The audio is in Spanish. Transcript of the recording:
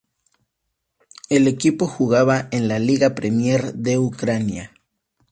El equipo jugaba en la Liga Premier de Ucrania.